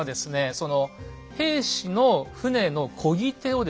その平氏の船のこぎ手をですね